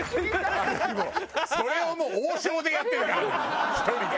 それをもう王将でやってたからね１人で。